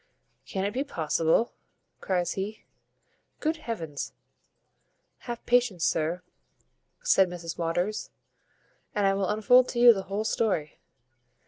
"Can it be possible?" cries he, "Good heavens!" "Have patience, sir," said Mrs Waters, "and I will unfold to you the whole story.